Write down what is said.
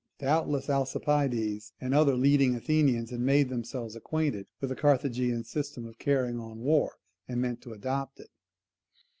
Doubtless Alcibiades and other leading Athenians had made themselves acquainted with the Carthaginian system of carrying on war, and meant to adopt it.